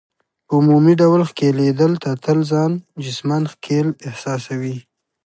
په عمومي ډول ښکیلېدل، ته تل ځان جسماً ښکېل احساسوې.